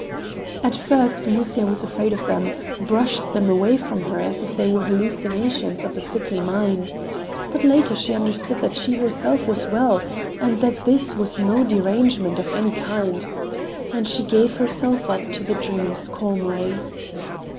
At first Musya was afraid of them, brushed them away from her as if they were the hallucinations of a sickly mind. But later she understood that she herself was well, and that this was no derangement of any kind—and she gave herself up to the dreams calmly.